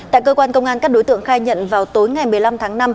tại cơ quan công an các đối tượng khai nhận vào tối ngày một mươi năm tháng năm